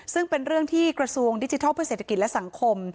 ซึ่งเป็นเรื่องที่กระทรวงดิจิทัลเพื่อเศรษฐกิจและสังคม